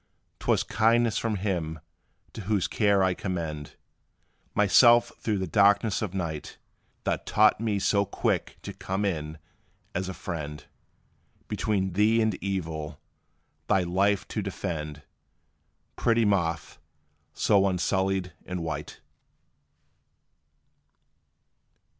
'T was kindness from Him, to whose care I commend Myself through the darkness of night, That taught me so quick to come in, as a friend, Between thee and evil, thy life to defend; Pretty Moth, so unsullied and white.